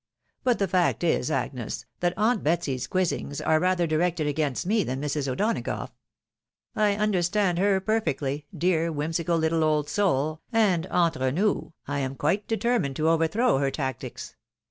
But the fact is, Agnes, that aunt Betsy's quizzings are rather directed against me than Mrs. O'Donagough. I understand her perfectly, dear whimsical little old soul', and, entre nous, I am quite determined to overthrow her tactics.